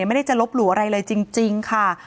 ไม่ได้จะลบหลู่อะไรเลยจริงค่ะ